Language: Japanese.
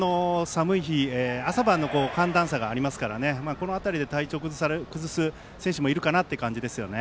朝晩の寒暖差がありますからこの辺りで体調を崩す選手もいるかなという感じですね。